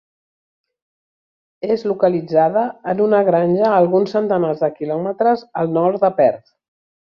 És localitzada en una granja alguns centenars de quilòmetres al nord de Perth.